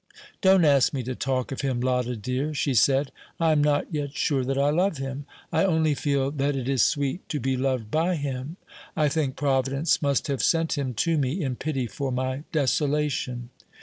"Don't ask me to talk of him, Lotta, dear;" she said. "I am not yet sure that I love him; I only feel that it is sweet to be loved by him. I think Providence must have sent him to me in pity for my desolation."